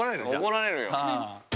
◆怒られるよ。